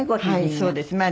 はいそうです。